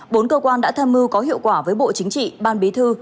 bốn cơ quan đã tham mưu có hiệu quả với bộ chính trị ban bí thư